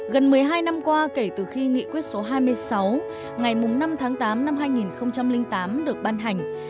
gần một mươi hai năm qua kể từ khi nghị quyết số hai mươi sáu ngày năm tháng tám năm hai nghìn tám được ban hành